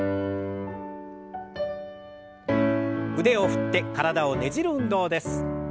腕を振って体をねじる運動です。